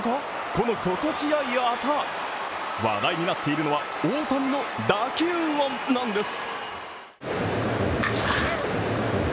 この心地よい音話題になっているのは大谷の打球音なんです。